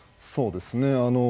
そうですね